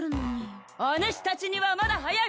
おぬしたちにはまだ早い！